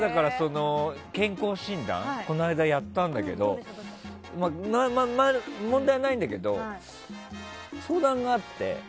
健康診断、この間やったんだけどまあまあ、問題ないんだけど相談があって。